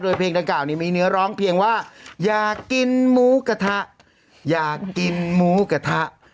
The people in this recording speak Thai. โดยเพลงดังกล่านี้มีเนื้อร้องเพียงว่าอยากกินหมูกระทะอยากกินหมูกระทะ